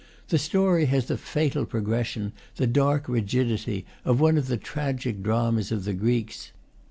The story has the fatal progression, the dark rigidity, of one of the tragic dramas of the Greeks.